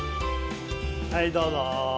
はいどうぞ。